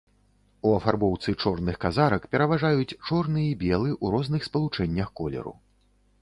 У афарбоўцы чорных казарак пераважаюць чорны і белы ў розных спалучэннях колеру.